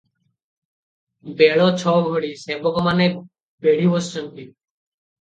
ବେଳ ଛ ଘଡି, ସେବକମାନେ ବେଢ଼ି ବସିଛନ୍ତି ।